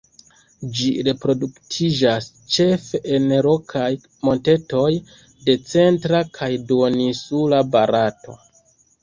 Ĝi reproduktiĝas ĉefe en rokaj montetoj de centra kaj duoninsula Barato.